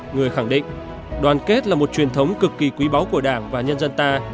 người khẳng định đoàn kết là một truyền thống cực kỳ quý báu của đảng và nhân dân ta